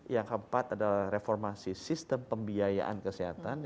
yang keempat adalah reformasi sistem pembiayaan kesehatan